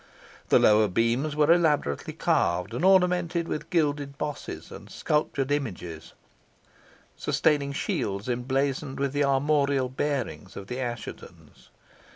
The lower beams were elaborately carved and ornamented with gilded bosses and sculptured images, sustaining shields emblazoned with the armorial bearings of the Asshetons.